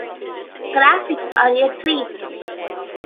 Graphics are a treat.